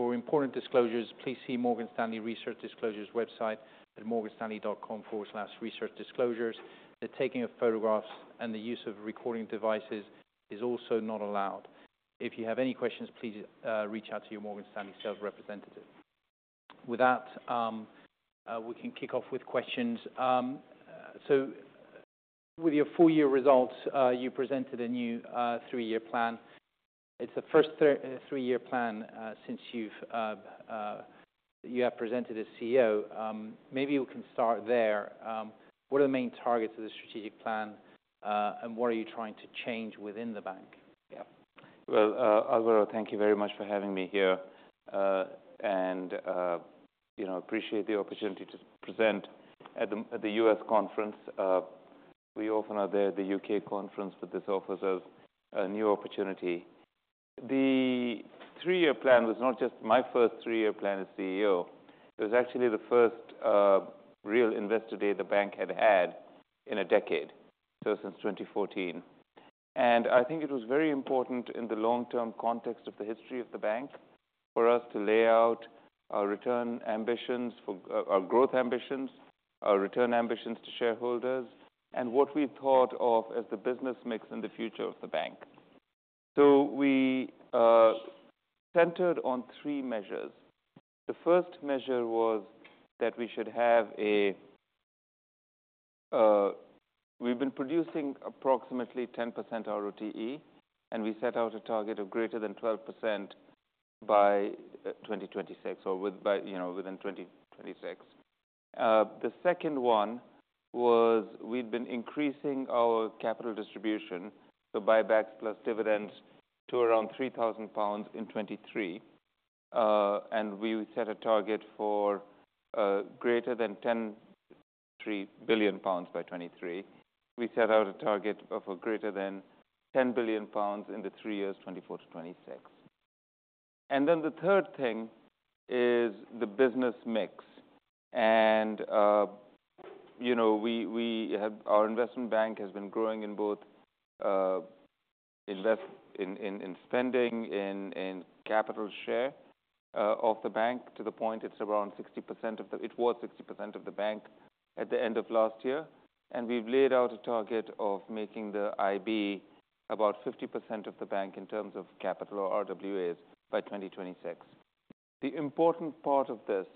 ...For important disclosures, please see Morgan Stanley Research Disclosures website at morganstanley.com/researchdisclosures. The taking of photographs and the use of recording devices is also not allowed. If you have any questions, please, reach out to your Morgan Stanley sales representative. With that, we can kick off with questions. So with your full year results, you presented a new, three-year plan. It's the first three-year plan, since you've, you have presented as CEO. Maybe you can start there. What are the main targets of the strategic plan, and what are you trying to change within the bank? Yeah. Well, Alvaro, thank you very much for having me here, and, you know, appreciate the opportunity to present at the U.S. conference. We often are there at the U.K. conference, but this offers us a new opportunity. The three-year plan was not just my first three-year plan as CEO, it was actually the first real investor day the bank had had in a decade, so since 2014. And I think it was very important in the long-term context of the history of the bank, for us to lay out our return ambitions for our growth ambitions, our return ambitions to shareholders, and what we thought of as the business mix and the future of the bank. So we centered on three measures. The first measure was that we should have a-- we've been producing approximately 10% ROTE, and we set out a target of greater than 12% by, you know, 2026, or with by, you know, within 2026. The second one was we've been increasing our capital distribution, so buybacks plus dividends, to around 3 billion pounds in 2023. We set a target for, you know, greater than 3 billion pounds by 2023. We set out a target of a greater than 10 billion pounds in the three years, 2024-2026. And then the third thing is the business mix. You know, we have our investment bank has been growing in both less spending, in capital share of the bank, to the point it's around 60% of the bank. It was 60% of the bank at the end of last year. We've laid out a target of making the IB about 50% of the bank in terms of capital or RWAs by 2026. The important part of this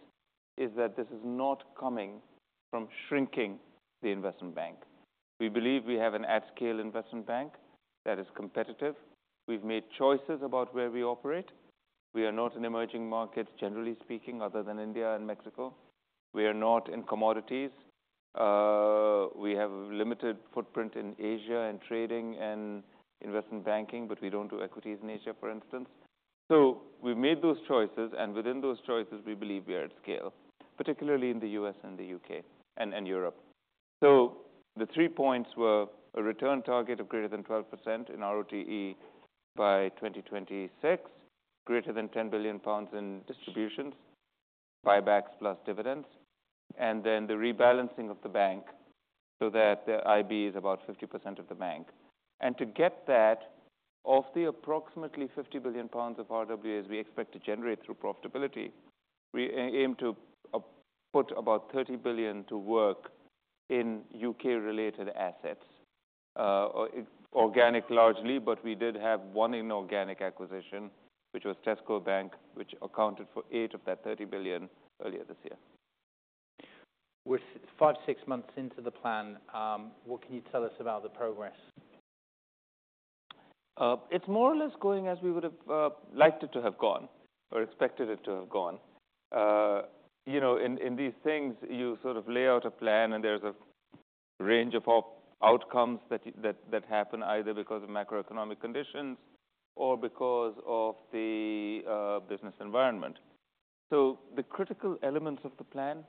is that this is not coming from shrinking the investment bank. We believe we have an at-scale investment bank that is competitive. We've made choices about where we operate. We are not in emerging markets, generally speaking, other than India and Mexico. We are not in commodities. We have limited footprint in Asia, in trading and investment banking, but we don't do equities in Asia, for instance. So we've made those choices, and within those choices, we believe we are at scale, particularly in the U.S. and the U.K. and, and Europe. So the three points were a return target of greater than 12% in ROTE by 2026, greater than 10 billion pounds in distributions, buybacks plus dividends, and then the rebalancing of the bank so that the IB is about 50% of the bank. And to get that, of the approximately 50 billion pounds of RWAs we expect to generate through profitability, we aim to put about 30 billion to work in U.K.-related assets. Organic largely, but we did have one inorganic acquisition, which was Tesco Bank, which accounted for 8 of that 30 billion earlier this year. We're 5, 6 months into the plan, what can you tell us about the progress? It's more or less going as we would've liked it to have gone or expected it to have gone. You know, in these things, you sort of lay out a plan, and there's a range of outcomes that happen, either because of macroeconomic conditions or because of the business environment. So the critical elements of the plan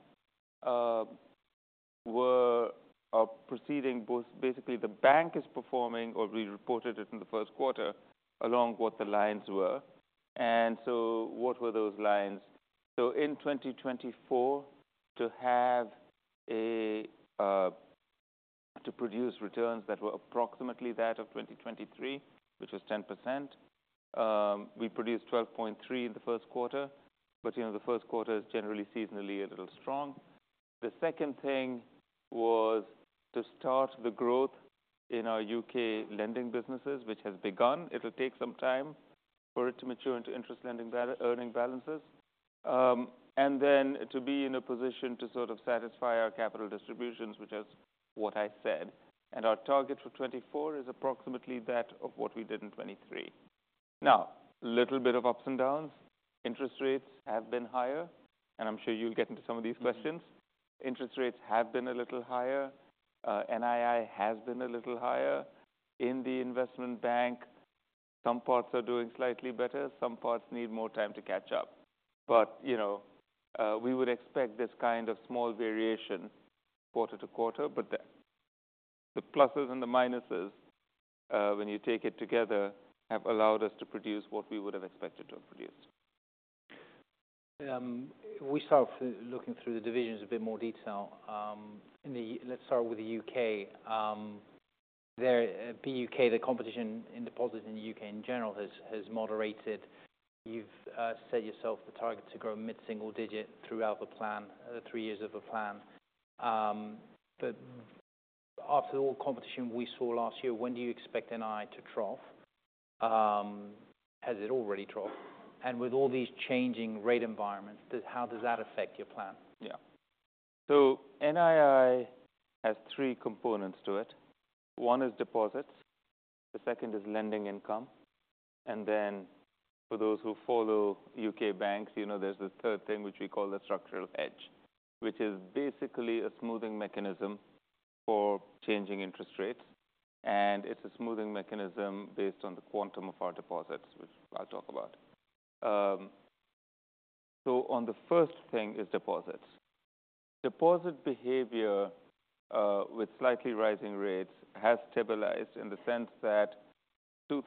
were, are proceeding both basically, the bank is performing, or we reported it in the first quarter, along what the lines were. So what were those lines? So in 2024, to have a to produce returns that were approximately that of 2023, which was 10%. We produced 12.3% in the first quarter, but you know, the first quarter is generally seasonally a little strong. The second thing was to start the growth in our UK lending businesses, which has begun. It'll take some time for it to mature into interest-earning balances. And then to be in a position to sort of satisfy our capital distributions, which is what I said. And our target for 2024 is approximately that of what we did in 2023. Now, little bit of ups and downs. Interest rates have been higher, and I'm sure you'll get into some of these questions. Interest rates have been a little higher. NII has been a little higher. In the investment bank, some parts are doing slightly better, some parts need more time to catch up. You know, we would expect this kind of small variation quarter to quarter, but the pluses and the minuses, when you take it together, have allowed us to produce what we would have expected to have produced.... We start looking through the divisions in a bit more detail. In the - let's start with the UK. There, the UK, the competition in deposits in the UK in general has moderated. You've set yourself the target to grow mid-single digit throughout the plan, three years of the plan. But after all competition we saw last year, when do you expect NII to trough? Has it already troughed? And with all these changing rate environments, does - how does that affect your plan? Yeah. So NII has three components to it. One is deposits, the second is lending income, and then for those who follow UK banks, you know, there's a third thing, which we call the structural hedge, which is basically a smoothing mechanism for changing interest rates. And it's a smoothing mechanism based on the quantum of our deposits, which I'll talk about. So on the first thing is deposits. Deposit behavior with slightly rising rates has stabilized in the sense that two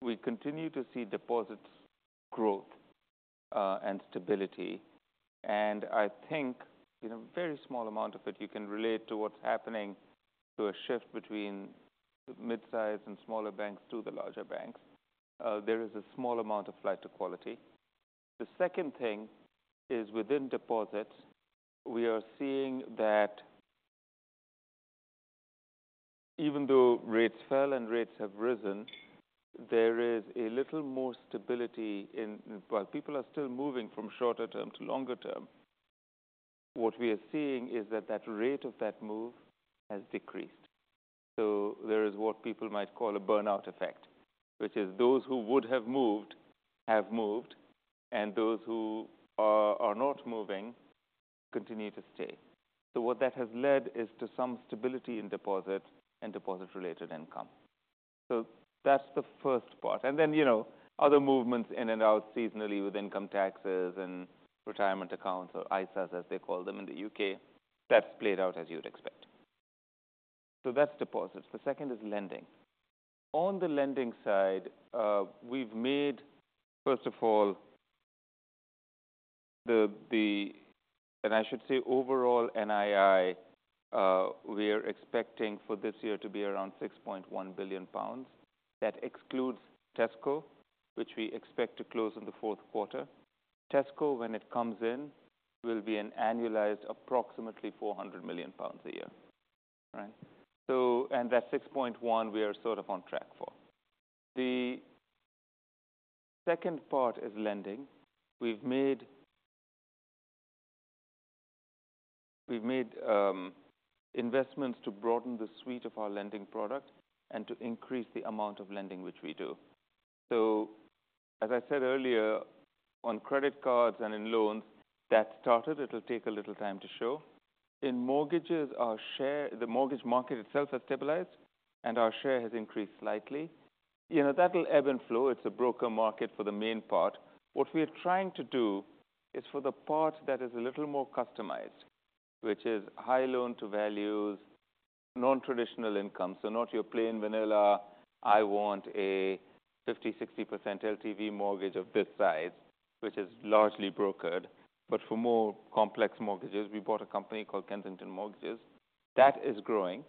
things. We continue to see deposits growth and stability, and I think, in a very small amount of it, you can relate to what's happening to a shift between midsize and smaller banks to the larger banks. There is a small amount of flight to quality. The second thing is within deposits, we are seeing that even though rates fell and rates have risen, there is a little more stability in… while people are still moving from shorter term to longer term, what we are seeing is that that rate of that move has decreased. So there is what people might call a burnout effect, which is those who would have moved, have moved, and those who are, are not moving, continue to stay. So what that has led is to some stability in deposits and deposit-related income. So that's the first part, and then, you know, other movements in and out seasonally with income taxes and retirement accounts, or ISAs as they call them in the UK, that's played out as you'd expect. So that's deposits. The second is lending. On the lending side, we've made, first of all, and I should say overall NII, we are expecting for this year to be around 6.1 billion pounds. That excludes Tesco, which we expect to close in the fourth quarter. Tesco, when it comes in, will be an annualized approximately 400 million pounds a year. Right? So, and that 6.1, we are sort of on track for. The second part is lending. We've made investments to broaden the suite of our lending product and to increase the amount of lending which we do. So, as I said earlier, on credit cards and in loans, that started, it'll take a little time to show. In mortgages, our share, the mortgage market itself has stabilized, and our share has increased slightly. You know, that'll ebb and flow. It's a broker market for the main part. What we are trying to do is for the part that is a little more customized, which is high loan to values, non-traditional income, so not your plain vanilla, I want a 50%-60% LTV mortgage of this size, which is largely brokered. But for more complex mortgages, we bought a company called Kensington Mortgages. That is growing,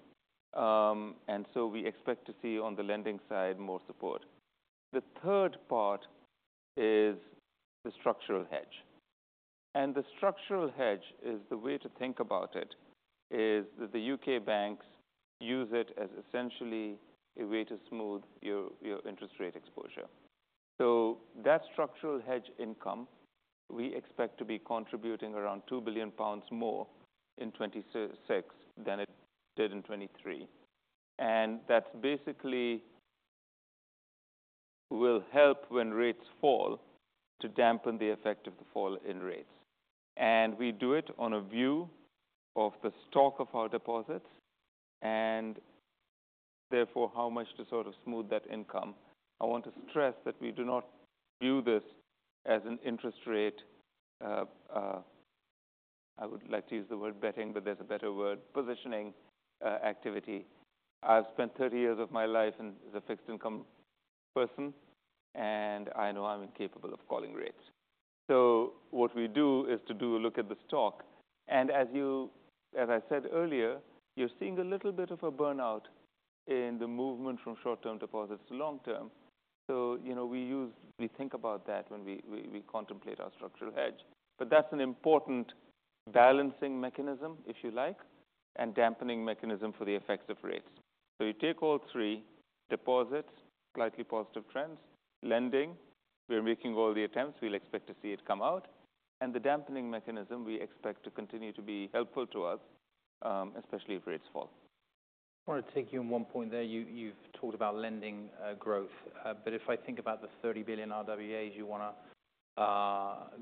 and so we expect to see, on the lending side, more support. The third part is the structural hedge, and the structural hedge is, the way to think about it, is that the UK banks use it as essentially a way to smooth your, your interest rate exposure. So that structural hedge income, we expect to be contributing around 2 billion pounds more in 2026 than it did in 2023. That basically will help when rates fall, to dampen the effect of the fall in rates. We do it on a view of the stock of our deposits and therefore, how much to sort of smooth that income. I want to stress that we do not view this as an interest rate positioning activity. I've spent 30 years of my life as a fixed income person, and I know I'm incapable of calling rates. So what we do is to do a look at the stock, and as I said earlier, you're seeing a little bit of a burnout in the movement from short-term deposits to long term. So, you know, we think about that when we contemplate our structural hedge. But that's an important balancing mechanism, if you like, and dampening mechanism for the effects of rates. So you take all three, deposits, slightly positive trends, lending, we're making all the attempts, we'll expect to see it come out, and the dampening mechanism, we expect to continue to be helpful to us, especially if rates fall. I want to take you on one point there. You, you've talked about lending, growth, but if I think about the 30 billion RWAs you wanna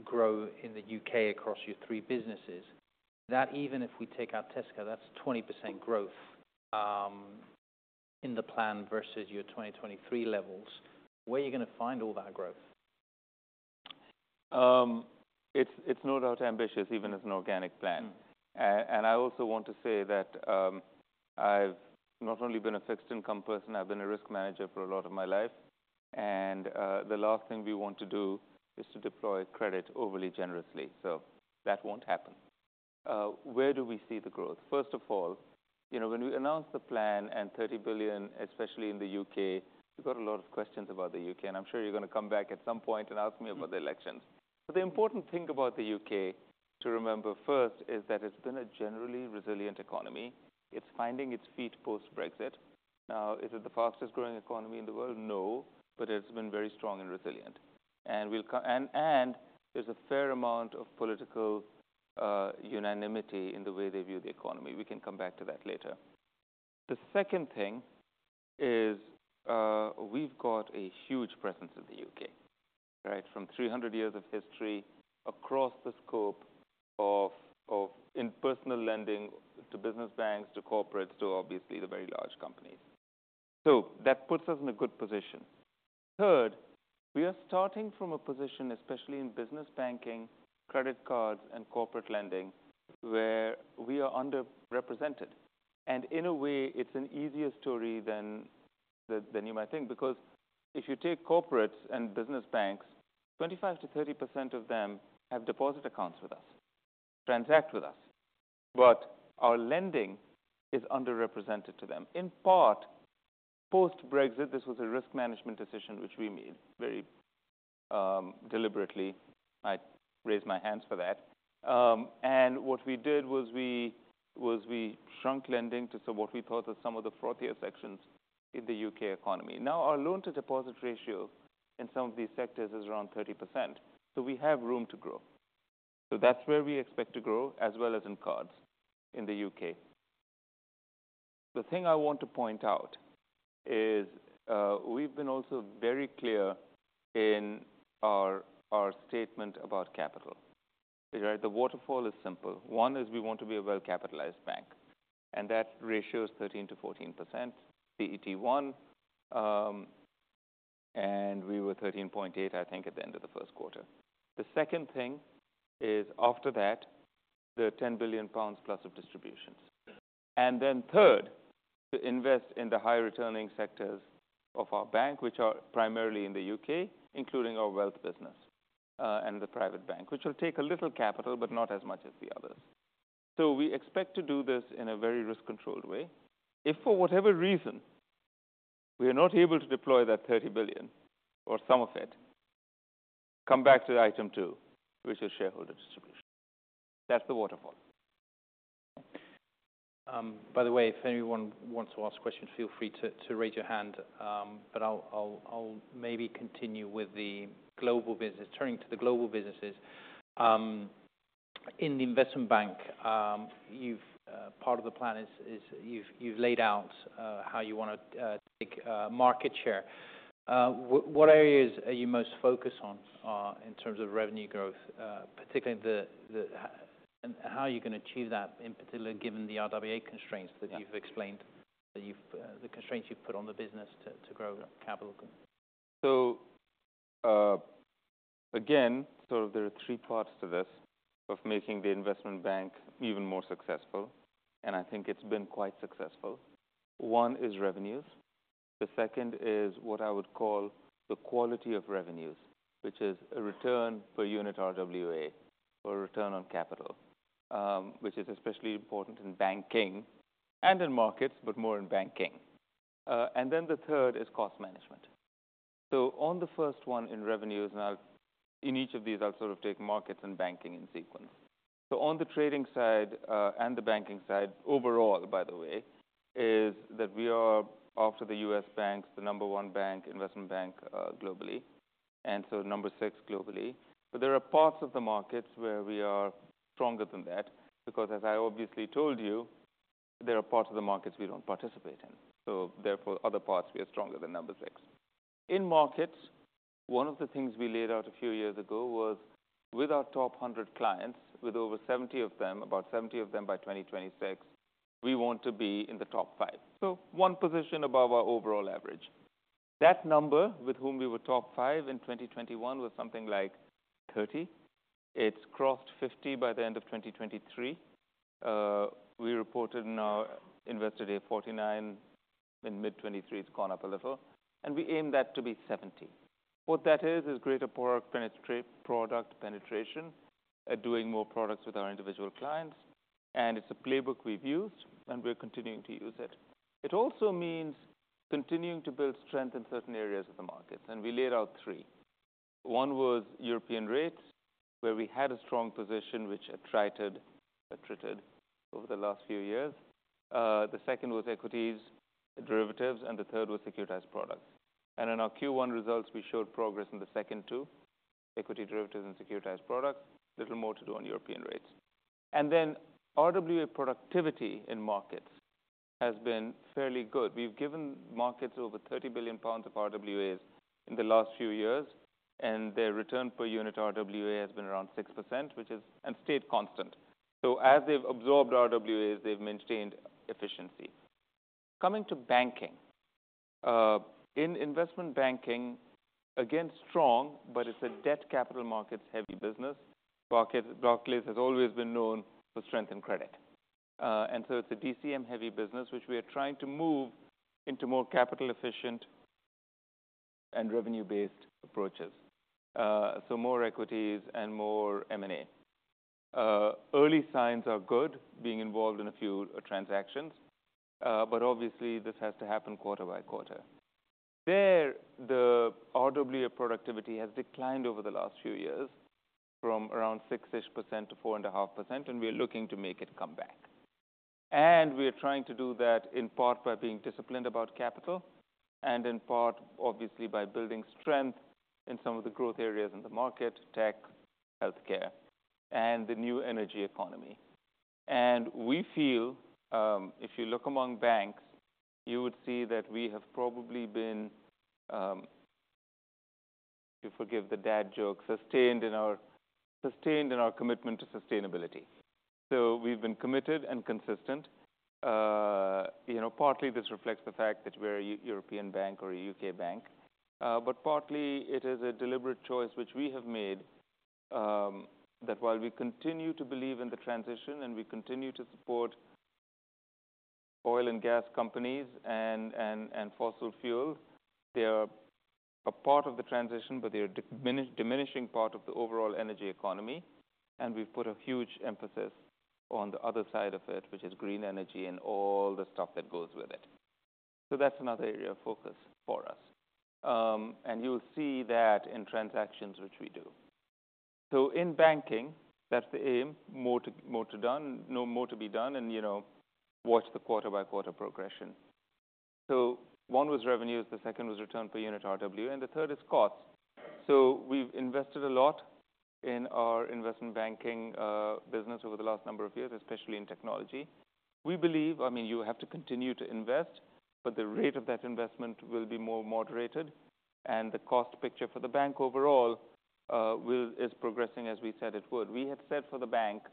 grow in the UK across your three businesses, that even if we take out Tesco, that's 20% growth, in the plan versus your 2023 levels. Where are you gonna find all that growth?... It's no doubt ambitious, even as an organic plan. Mm-hmm. And I also want to say that, I've not only been a fixed income person, I've been a risk manager for a lot of my life. And, the last thing we want to do is to deploy credit overly generously, so that won't happen. Where do we see the growth? First of all, you know, when we announced the plan and 30 billion, especially in the UK, we got a lot of questions about the UK, and I'm sure you're going to come back at some point and ask me about the elections. But the important thing about the UK to remember first is that it's been a generally resilient economy. It's finding its feet post-Brexit. Now, is it the fastest growing economy in the world? No, but it's been very strong and resilient. There's a fair amount of political unanimity in the way they view the economy. We can come back to that later. The second thing is, we've got a huge presence in the UK, right? From 300 years of history across the scope of in personal lending to business banks, to corporates, to obviously, the very large companies. So that puts us in a good position. Third, we are starting from a position, especially in business banking, credit cards, and corporate lending, where we are underrepresented. And in a way, it's an easier story than you might think, because if you take corporates and business banks, 25%-30% of them have deposit accounts with us, transact with us, but our lending is underrepresented to them. In part, post-Brexit, this was a risk management decision, which we made very deliberately. I raise my hands for that. And what we did was we shrunk lending to so what we thought was some of the frothier sections in the UK economy. Now, our loan-to-deposit ratio in some of these sectors is around 30%, so we have room to grow. So that's where we expect to grow, as well as in cards in the UK. The thing I want to point out is, we've been also very clear in our, our statement about capital. Right? The waterfall is simple. One, is we want to be a well-capitalized bank, and that ratio is 13%-14%, CET1. And we were 13.8, I think, at the end of the first quarter. The second thing is, after that, the 10 billion pounds plus of distributions. Yeah. And then third, to invest in the high-returning sectors of our bank, which are primarily in the UK, including our wealth business, and the private bank, which will take a little capital, but not as much as the others. So we expect to do this in a very risk-controlled way. If for whatever reason, we are not able to deploy that 30 billion or some of it, come back to item two, which is shareholder distribution. That's the waterfall. By the way, if anyone wants to ask questions, feel free to raise your hand. But I'll maybe continue with the global business. Turning to the global businesses. In the investment bank, part of the plan is you've laid out how you wanna take market share. What areas are you most focused on in terms of revenue growth, particularly the... and how are you going to achieve that, in particular, given the RWA constraints- Yeah -that you've explained, that you've, the constraints you've put on the business to, to grow capital? So, again, so there are three parts to this, of making the investment bank even more successful, and I think it's been quite successful. One is revenues. The second is what I would call the quality of revenues, which is a return per unit RWA or return on capital, which is especially important in banking and in markets, but more in banking. And then the third is cost management. So on the first one, in revenues, now, in each of these, I'll sort of take markets and banking in sequence. So on the trading side, and the banking side, overall, by the way, is that we are, after the US banks, the number one bank, investment bank, globally, and so number six globally. But there are parts of the markets where we are stronger than that, because as I obviously told you, there are parts of the markets we don't participate in, so therefore, other parts we are stronger than number 6. In markets, one of the things we laid out a few years ago was with our top 100 clients, with over 70 of them, about 70 of them by 2026, we want to be in the top 5, so one position above our overall average. That number with whom we were top 5 in 2021 was something like 30. It's crossed 50 by the end of 2023. We reported in our Investor Day 49. In mid 2023, it's gone up a little, and we aim that to be 70. What that is, is greater product penetration, doing more products with our individual clients, and it's a playbook we've used, and we're continuing to use it. It also means continuing to build strength in certain areas of the markets, and we laid out three. One was European rates, where we had a strong position, which attrited over the last few years. The second was equities, derivatives, and the third was securitized products. And in our Q1 results, we showed progress in the second two, equity derivatives and securitized products. Little more to do on European rates. And then RWA productivity in markets has been fairly good. We've given markets over 30 billion pounds of RWAs in the last few years, and their return per unit RWA has been around 6%, which is... and stayed constant. So as they've absorbed RWAs, they've maintained efficiency. Coming to banking. In investment banking, again, strong, but it's a debt capital markets heavy business. Barclays, Barclays has always been known for strength and credit. And so it's a DCM-heavy business, which we are trying to move into more capital efficient and revenue-based approaches. So more equities and more M&A. Early signs are good, being involved in a few transactions, but obviously, this has to happen quarter by quarter. The RWA productivity has declined over the last few years from around 6% to 4.5%, and we are looking to make it come back. And we are trying to do that in part by being disciplined about capital, and in part, obviously, by building strength in some of the growth areas in the market: tech, healthcare, and the new energy economy. We feel, if you look among banks, you would see that we have probably been, you forgive the dad joke, sustained in our commitment to sustainability. We've been committed and consistent. You know, partly this reflects the fact that we're a European bank or a UK bank, but partly it is a deliberate choice which we have made, that while we continue to believe in the transition and we continue to support oil and gas companies and fossil fuels, they are a part of the transition, but they're a diminishing part of the overall energy economy. We've put a huge emphasis on the other side of it, which is green energy and all the stuff that goes with it. That's another area of focus for us. And you'll see that in transactions which we do. So in banking, that's the aim, more to be done and, you know, watch the quarter by quarter progression. So one was revenues, the second was return per unit RWA, and the third is cost. So we've invested a lot in our investment banking business over the last number of years, especially in technology. We believe, I mean, you have to continue to invest, but the rate of that investment will be more moderated, and the cost picture for the bank overall is progressing as we said it would. We had said for the bank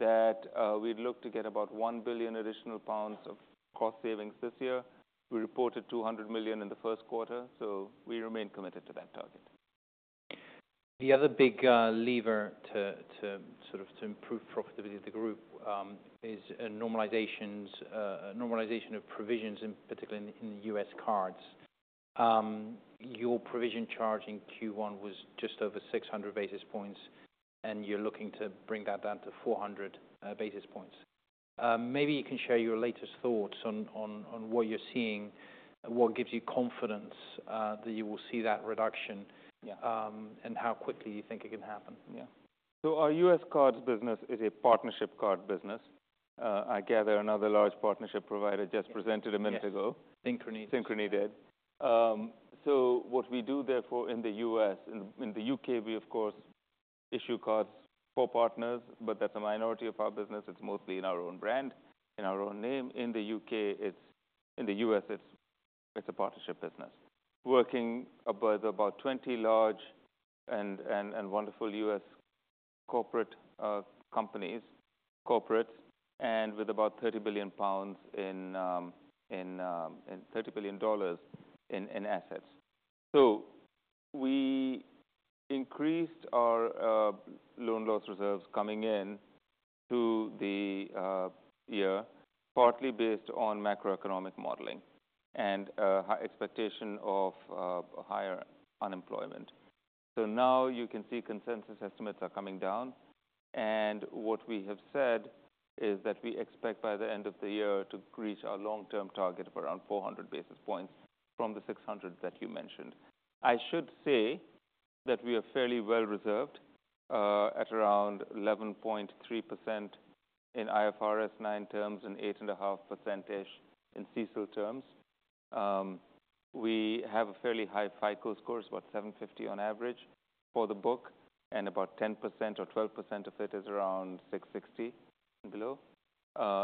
that, we'd look to get about 1 billion additional pounds of cost savings this year. We reported 200 million in the first quarter, so we remain committed to that target. The other big lever to sort of improve profitability of the group is normalization of provisions, in particular in the US cards. Your provision charge in Q1 was just over 600 basis points, and you're looking to bring that down to 400 basis points. Maybe you can share your latest thoughts on what you're seeing, what gives you confidence that you will see that reduction? Yeah. How quickly you think it can happen? Yeah. So our U.S. cards business is a partnership card business. I gather another large partnership provider just presented a minute ago. Yes, Synchrony. Synchrony did. So what we do therefore, in the US, in the UK, we of course issue cards for partners, but that's a minority of our business. It's mostly in our own brand, in our own name. In the UK, it's... In the US, it's a partnership business, working with about 20 large and wonderful US corporate companies, corporates, and with about $30 billion in assets. So we increased our loan loss reserves coming in to the year, partly based on macroeconomic modeling and high expectation of higher unemployment. So now you can see consensus estimates are coming down, and what we have said is that we expect by the end of the year to reach our long-term target of around 400 basis points from the 600 that you mentioned. I should say that we are fairly well reserved, at around 11.3% in IFRS 9 terms and 8.5% in CECL terms. We have a fairly high FICO scores, what, 750 on average for the book, and about 10% or 12% of it is around 660 and below.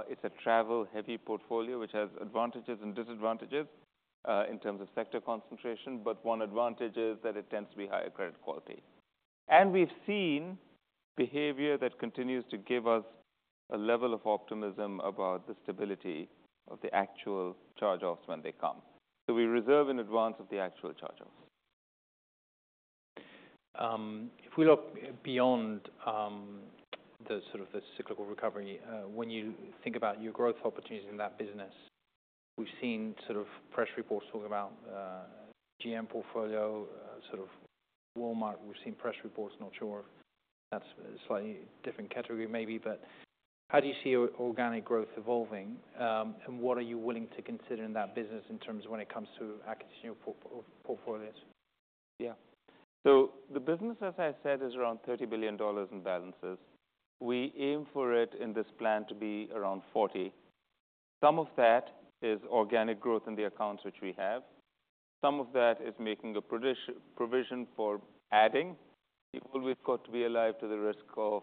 It's a travel-heavy portfolio, which has advantages and disadvantages, in terms of sector concentration, but one advantage is that it tends to be higher credit quality. We've seen behavior that continues to give us a level of optimism about the stability of the actual charge-offs when they come. We reserve in advance of the actual charge-offs. If we look beyond the sort of cyclical recovery, when you think about your growth opportunities in that business, we've seen sort of press reports talk about GM portfolio, sort of Walmart. We've seen press reports, not sure if that's a slightly different category maybe, but how do you see your organic growth evolving? And what are you willing to consider in that business in terms of when it comes to acquisition of portfolios? Yeah. So the business, as I said, is around $30 billion in balances. We aim for it in this plan to be around $40 billion. Some of that is organic growth in the accounts which we have. Some of that is making a provision for adding. People we've got to be alive to the risk of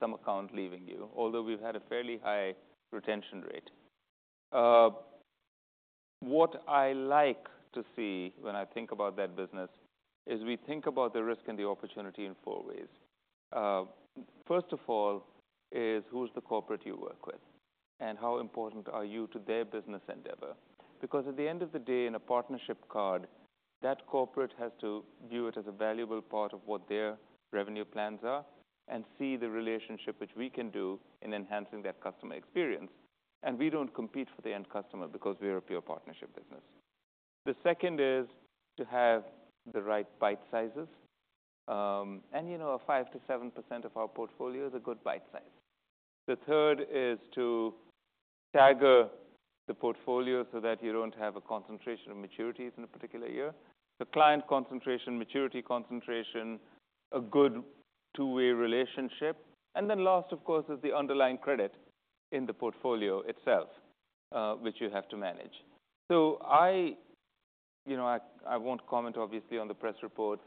some account leaving you, although we've had a fairly high retention rate. What I like to see when I think about that business is we think about the risk and the opportunity in four ways. First of all, is who's the corporate you work with? And how important are you to their business endeavor? Because at the end of the day, in a partnership card, that corporate has to view it as a valuable part of what their revenue plans are, and see the relationship which we can do in enhancing that customer experience. And we don't compete for the end customer, because we are a pure partnership business. The second is to have the right bite sizes. And, you know, 5%-7% of our portfolio is a good bite size. The third is to stagger the portfolio so that you don't have a concentration of maturities in a particular year. The client concentration, maturity concentration, a good two-way relationship. And then last, of course, is the underlying credit in the portfolio itself, which you have to manage. So, you know, I won't comment obviously on the press reports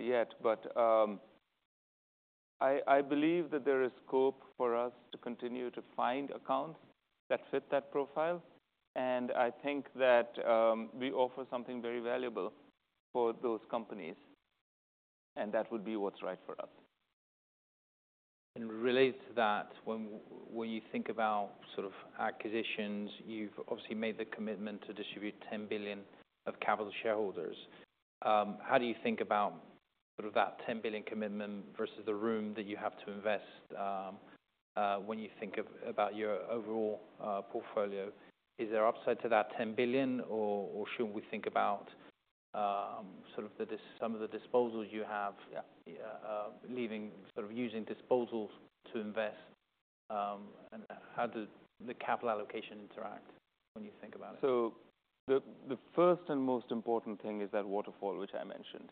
yet, but I believe that there is scope for us to continue to find accounts that fit that profile. And I think that we offer something very valuable for those companies, and that would be what's right for us. Related to that, when you think about sort of acquisitions, you've obviously made the commitment to distribute 10 billion of capital to shareholders. How do you think about sort of that 10 billion commitment versus the room that you have to invest, when you think about your overall portfolio? Is there upside to that 10 billion, or should we think about sort of the disposals you have leaving... Sort of using disposals to invest, and how does the capital allocation interact when you think about it? So the first and most important thing is that waterfall, which I mentioned.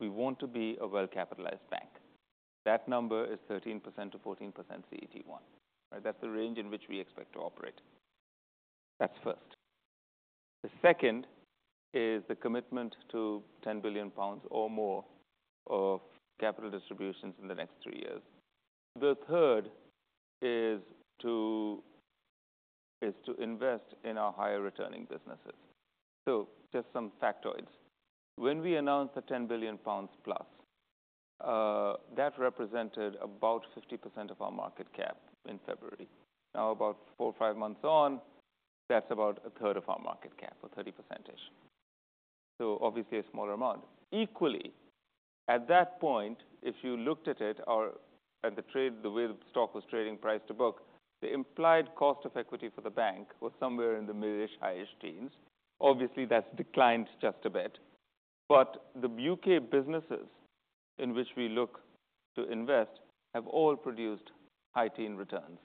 We want to be a well-capitalized bank. That number is 13%-14% CET1. Right? That's the range in which we expect to operate. That's first. The second is the commitment to 10 billion pounds or more of capital distributions in the next three years. The third is to invest in our higher returning businesses. So just some factoids. When we announced the 10 billion pounds plus, that represented about 50% of our market cap in February. Now, about 4-5 months on, that's about a third of our market cap, or 30%. So obviously, a smaller amount. Equally, at that point, if you looked at it or at the trade, the way the stock was trading price to book, the implied cost of equity for the bank was somewhere in the mid-ish, high-ish teens. Obviously, that's declined just a bit, but the U.K. businesses in which we look to invest have all produced high-teen returns,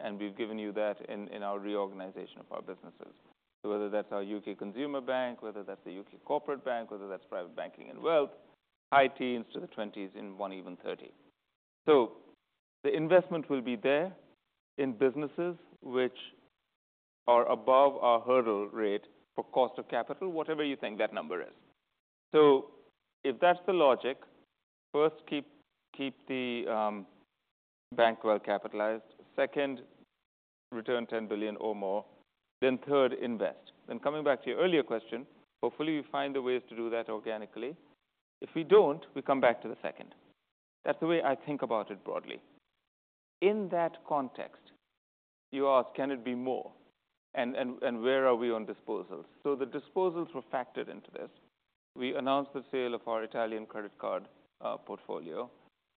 and we've given you that in our reorganization of our businesses. So whether that's our U.K. consumer bank, whether that's the U.K. corporate bank, whether that's private banking and wealth, high teens to the 20s, and one even 30. So the investment will be there in businesses which are above our hurdle rate for cost of capital, whatever you think that number is. So if that's the logic, first, keep the bank well capitalized. Second, return 10 billion or more. Then third, invest. Then coming back to your earlier question, hopefully, we find the ways to do that organically. If we don't, we come back to the second. That's the way I think about it broadly. In that context, you ask, "Can it be more, and, and, and where are we on disposals?" So the disposals were factored into this. We announced the sale of our Italian credit card portfolio.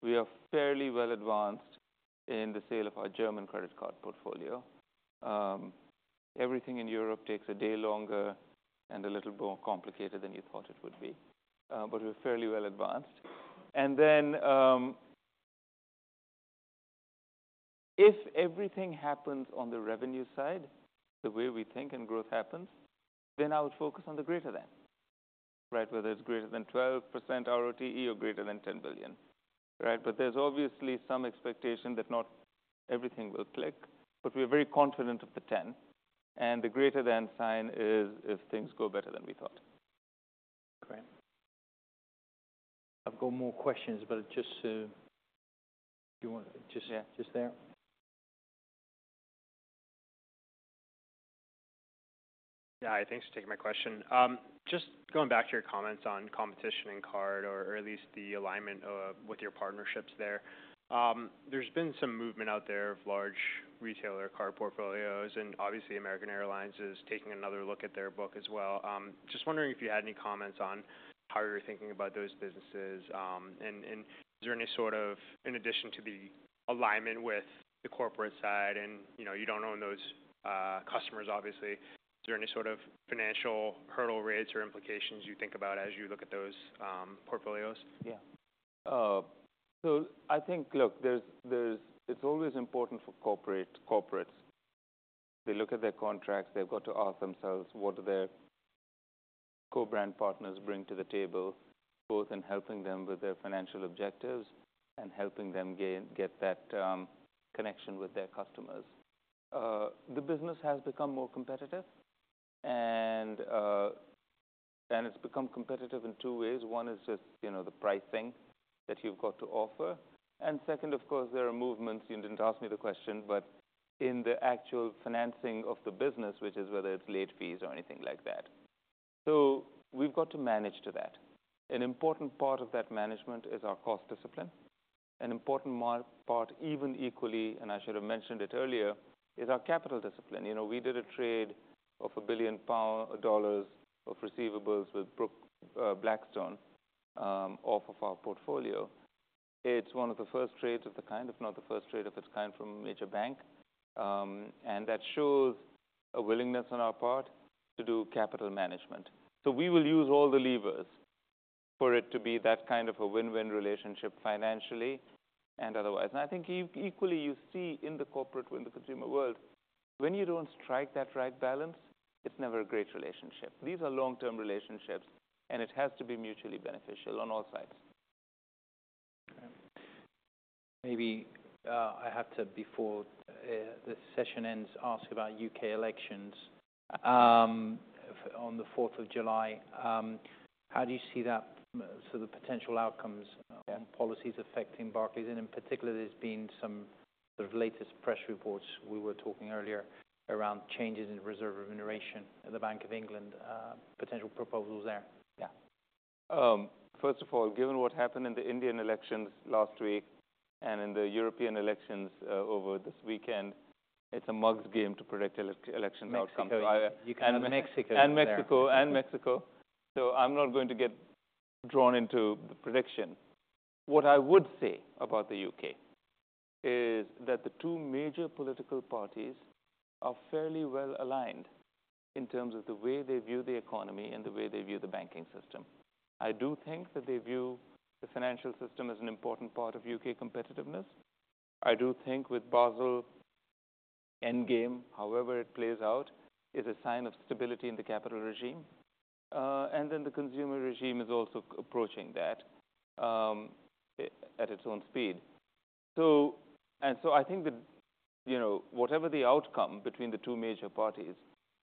We are fairly well advanced in the sale of our German credit card portfolio. Everything in Europe takes a day longer and a little more complicated than you thought it would be, but we're fairly well advanced. And then, if everything happens on the revenue side, the way we think and growth happens, then I would focus on the greater than, right? Whether it's greater than 12% ROTE or greater than 10 billion. Right? But there's obviously some expectation that not everything will click, but we're very confident of the 10, and the greater than sign is if things go better than we thought. Great. I've got more questions, but just to... Do you want to just- Yeah. Just there? Yeah, thanks for taking my question. Just going back to your comments on competition in card, or at least the alignment with your partnerships there. There's been some movement out there of large retailer card portfolios, and obviously American Airlines is taking another look at their book as well. Just wondering if you had any comments on how you're thinking about those businesses? And is there any sort of, in addition to the alignment with the corporate side, and you know, you don't own those customers, obviously, is there any sort of financial hurdle rates or implications you think about as you look at those portfolios? Yeah. So I think, look, there's it's always important for corporates. They look at their contracts, they've got to ask themselves, what do their co-brand partners bring to the table, both in helping them with their financial objectives and helping them get that connection with their customers. The business has become more competitive and become competitive in two ways. One is just, you know, the pricing that you've got to offer, and second, of course, there are movements. You didn't ask me the question, but in the actual financing of the business, which is whether it's late fees or anything like that. So we've got to manage to that. An important part of that management is our cost discipline. An important part, even equally, and I should have mentioned it earlier, is our capital discipline. You know, we did a trade of 1 billion pounds, dollars of receivables with Blackstone off of our portfolio. It's one of the first trades of the kind, if not the first trade of its kind from a major bank. And that shows a willingness on our part to do capital management. So we will use all the levers for it to be that kind of a win-win relationship, financially and otherwise. And I think equally, you see in the corporate or in the consumer world, when you don't strike that right balance, it's never a great relationship. These are long-term relationships, and it has to be mutually beneficial on all sides. Okay. Maybe I have to, before this session ends, ask about U.K. elections. On the fourth of July, how do you see that, so the potential outcomes and policies affecting Barclays? And in particular, there's been some sort of latest press reports we were talking earlier around changes in reserve remuneration at the Bank of England, potential proposals there. Yeah. First of all, given what happened in the Indian elections last week and in the European elections over this weekend, it's a mug's game to predict election outcomes. Mexico, UK, and Mexico is there. And Mexico, and Mexico. So I'm not going to get drawn into the prediction. What I would say about the UK is that the two major political parties are fairly well aligned in terms of the way they view the economy and the way they view the banking system. I do think that they view the financial system as an important part of UK competitiveness. I do think with Basel endgame, however it plays out, is a sign of stability in the capital regime. And then the consumer regime is also approaching that at its own speed. I think that, you know, whatever the outcome between the two major parties,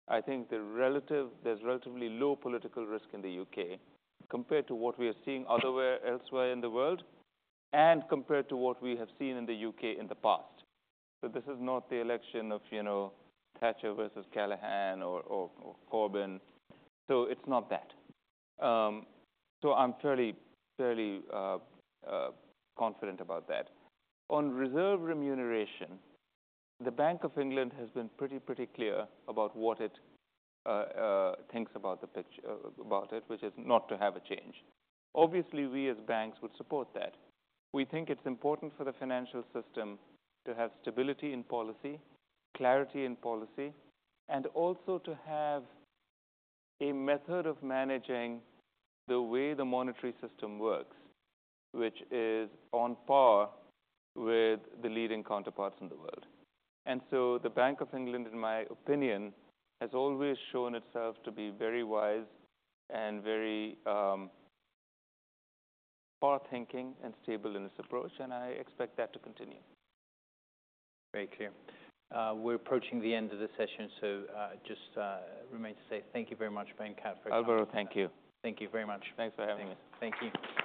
I think the relative, there's relatively low political risk in the U.K. compared to what we are seeing elsewhere in the world, and compared to what we have seen in the U.K. in the past. So this is not the election of, you know, Thatcher versus Callaghan or Corbyn. So it's not that. So I'm fairly confident about that. On reserve remuneration, the Bank of England has been pretty clear about what it thinks about the pitch about it, which is not to have a change. Obviously, we, as banks, would support that. We think it's important for the financial system to have stability in policy, clarity in policy, and also to have a method of managing the way the monetary system works, which is on par with the leading counterparts in the world. And so the Bank of England, in my opinion, has always shown itself to be very wise and very, far-thinking and stable in its approach, and I expect that to continue. Very clear. We're approaching the end of the session, so just remain to say thank you very much. Alvaro, thank you. Thank you very much. Thanks for having me. Thank you.